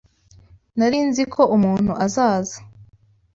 Nari nzi ko umuntu azaza.